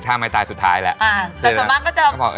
ถ้ามลายตายสุดท้ายแล้ว